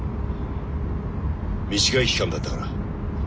短い期間だったから。